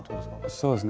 そうですね。